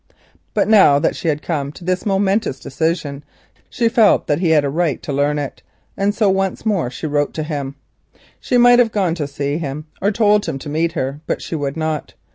But now that Ida had come to this momentous decision she felt he had a right to learn it, and so once more she wrote to him. She might have gone to see him or told him to meet her, but she would not.